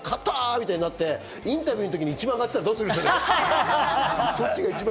みたいになってインタビューの時に一番上がってたらどうする？